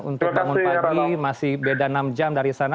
untuk bangun pagi masih beda enam jam dari sana